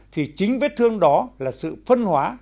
thì chính vết thương đó là sự phân hóa